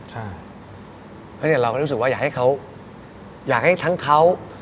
เพราะฉะนั้นเราก็รู้สึกว่าอยากให้เขาอยากให้ทั้งเขา